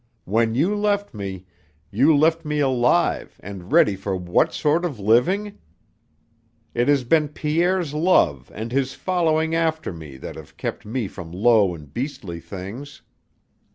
When you left me, you left me alive and ready for what sort of living? It has been Pierre's love and his following after me that have kept me from low and beastly things.